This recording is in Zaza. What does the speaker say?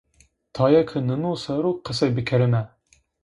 Tae ki ninu sero qesey bıkerime.